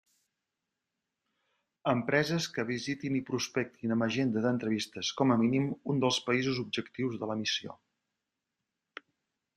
Empreses que visitin i prospectin amb agenda d'entrevistes, com a mínim, un dels països objectiu de la missió.